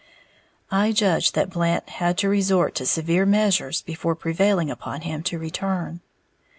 (I judge that Blant had to resort to severe measures before prevailing upon him to return.)